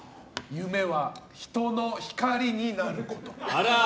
夢は、人の光になること。